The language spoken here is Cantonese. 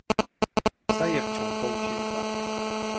西洋菜煲豬骨